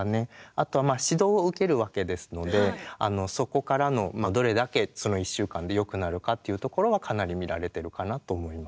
あとはまあ指導を受けるわけですのでそこからのどれだけその１週間で良くなるかっていうところはかなり見られてるかなと思います。